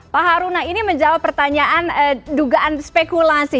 pak haruna ini menjawab pertanyaan dugaan spekulasi